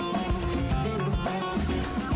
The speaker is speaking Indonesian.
wow spesial banget nih